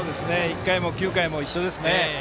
１回も９回も一緒ですね。